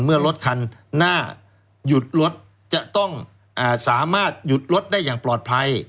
เมื่อรถคันหน้าหยุดรถจะต้องสามารถหยุดรถได้อย่างปลอดภัย